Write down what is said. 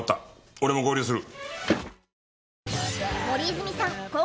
俺も合流する。